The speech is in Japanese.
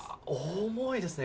重いですね。